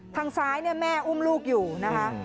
ทางซ้ายเนี่ยแม่อุ้มลูกอยู่นะคะ